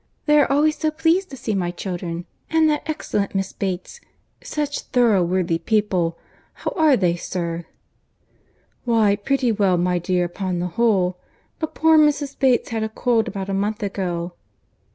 —They are always so pleased to see my children.—And that excellent Miss Bates!—such thorough worthy people!—How are they, sir?" "Why, pretty well, my dear, upon the whole. But poor Mrs. Bates had a bad cold about a month ago."